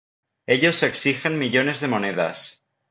Ellos exigen millones de monedas.